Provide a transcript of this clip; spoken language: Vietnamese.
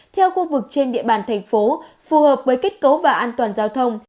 theo khu vực trên địa bàn thành phố phù hợp với kết cấu và an toàn giao thông